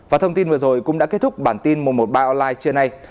và thông tin vừa rồi cũng đã kết thúc bản tin mùa một bài online trưa nay